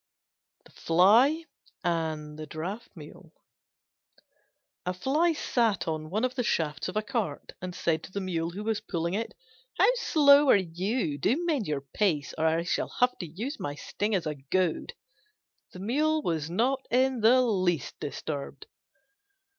THE FLY AND THE DRAUGHT MULE A Fly sat on one of the shafts of a cart and said to the Mule who was pulling it, "How slow you are! Do mend your pace, or I shall have to use my sting as a goad." The Mule was not in the least disturbed.